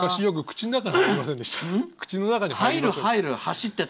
昔、口の中に入りませんでした？